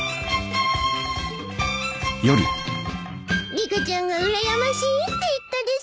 リカちゃんがうらやましいって言ったです。